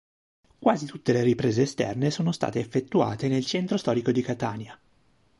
Quasi tutte le riprese esterne sono state effettuate nel centro storico di Catania.